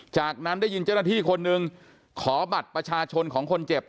จากนั้นได้ยินเจ้าหน้าที่คนหนึ่งขอบัตรประชาชนของคนเจ็บ